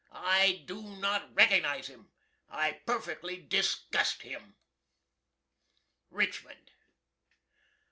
I do not recognize him. I perfectly disgust him. RICHMOND.